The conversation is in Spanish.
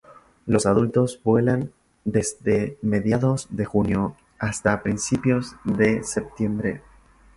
Los adultos vuelan desde mediados de junio hasta principios de septiembre.